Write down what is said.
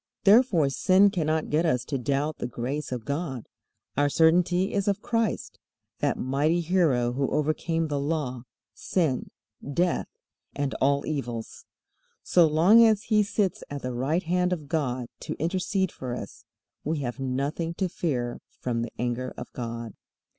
Therefore sin cannot get us to doubt the grace of God. Our certainty is of Christ, that mighty Hero who overcame the Law, sin, death, and all evils. So long as He sits at the right hand of God to intercede for us, we have nothing to fear from the anger of God.